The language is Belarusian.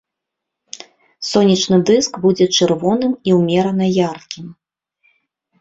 Сонечны дыск будзе чырвоным і ўмерана яркім.